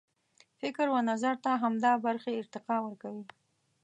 فکر و نظر ته همدا برخې ارتقا ورکوي.